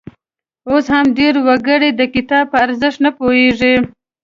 اوس هم ډېر وګړي د کتاب په ارزښت نه پوهیږي.